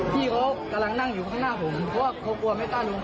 พี่เขากำลังนั่งอยู่ข้างหน้าผมเพราะว่าเขากลัวไม่กล้าลง